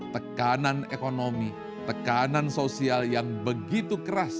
tekanan ekonomi tekanan sosial yang begitu keras